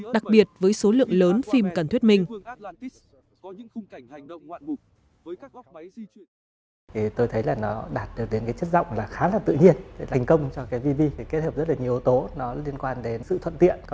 đặc biệt với số lượng lớn phim cần thuyết minh